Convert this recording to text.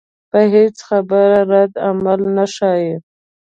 پۀ هېڅ خبره ردعمل نۀ ښائي